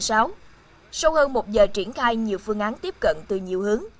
sau hơn một giờ triển khai nhiều phương án tiếp cận từ nhiều hướng